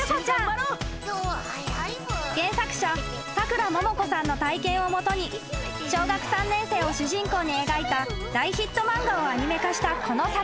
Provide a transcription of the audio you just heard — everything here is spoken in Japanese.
［原作者さくらももこさんの体験を基に小学３年生を主人公に描いた大ヒット漫画をアニメ化したこの作品］